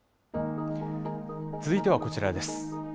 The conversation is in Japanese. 続いてはこちらです。